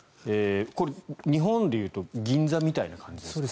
これ、日本でいうと銀座みたいな感じですか？